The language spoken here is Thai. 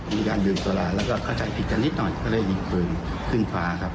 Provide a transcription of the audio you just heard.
มีการดื่มสุราแล้วก็เข้าใจผิดกันนิดหน่อยก็เลยยิงปืนขึ้นฟ้าครับ